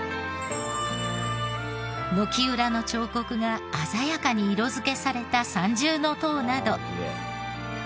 軒裏の彫刻が鮮やかに色づけされた三重塔など。